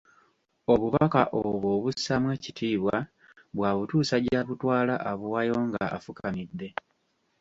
Obubaka obwo abussaamu ekitiibwa bw'abutuusa gy'abutwala abuwaayo nga afukamidde.